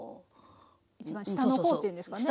一番下の方というんですかね。